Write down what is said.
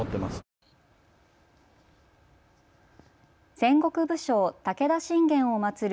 戦国武将、武田信玄を祭る